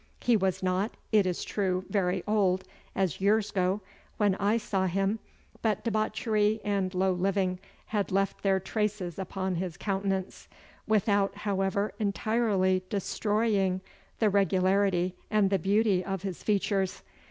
(1) He was not, it is true, very old, as years go, when I saw him, but debauchery and low living had left their traces upon his countenance, without, however entirely destroying the regularity and the beauty of his features.